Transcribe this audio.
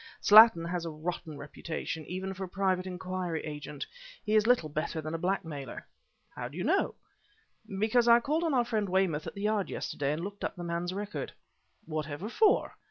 Slattin has a rotten reputation even for a private inquiry agent. He is little better than a blackmailer " "How do you know?" "Because I called on our friend Weymouth at the Yard yesterday and looked up the man's record." "Whatever for?"